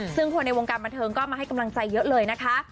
ซึ่งคนในวงการบันเทิงก็มาให้กำลังใจเยอะเลยนะคะ